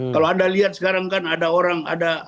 kalau anda lihat sekarang kan ada orang